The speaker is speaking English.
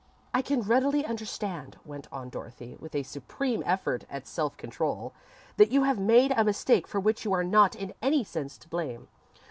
"I can readily understand," went on Dorothy, with a supreme effort at self control, "that you have made a mistake for which you are not in any sense to blame.